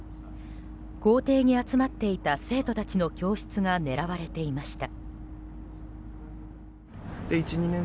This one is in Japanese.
校庭に集まっていた生徒たちの教室が狙われていました。